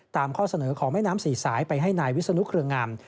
ข้อเสนอของแม่น้ำสี่สายไปให้นายวิศนุเครืองาม